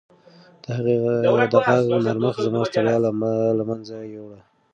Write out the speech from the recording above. د هغې د غږ نرمښت زما ستړیا له منځه یووړه.